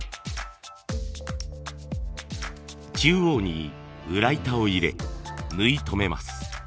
中央に裏板を入れ縫いとめます。